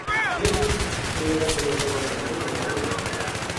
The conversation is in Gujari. رچھ اُس بِڑے تیرے کوڑے بیٹھو ھووے گو